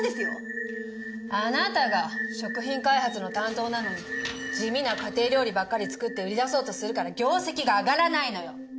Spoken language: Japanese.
あなたが食品開発の担当なのに地味な家庭料理ばっかり作って売り出そうとするから業績が上がらないのよ。